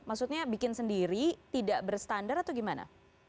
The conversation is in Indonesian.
maksudnya bikin sendiri tidak berstandar atau gimana